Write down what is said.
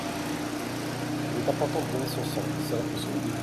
Il est important de donner son sang, cela peut sauver des vies.